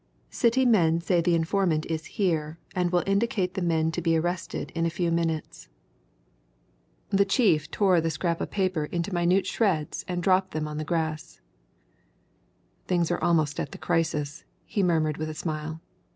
"City men say the informant is here and will indicate the men to be arrested in a few minutes." The chief tore the scrap of paper into minute shreds and dropped them on the grass. "Things are almost at the crisis," he murmured with a smile.